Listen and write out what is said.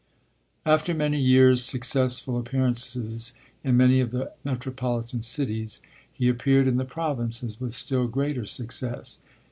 After many years' successful appearances in many of the metropolitan cities, he appeared in the Provinces with still greater success.